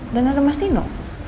dan ada mas nino